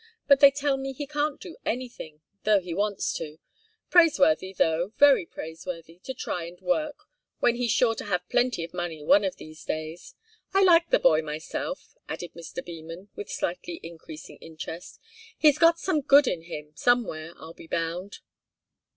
But they tell me he can't do anything, though he wants to. Praiseworthy, though, very praiseworthy, to try and work, when he's sure to have plenty of money one of these days. I like the boy myself," added Mr. Beman, with slightly increasing interest. "He's got some good in him, somewhere, I'll be bound."